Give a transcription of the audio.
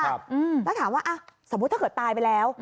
แล้วถามว่าสมมุติถ้าเกิดตายไปแล้ว